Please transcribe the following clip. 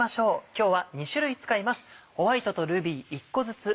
今日は２種類使います。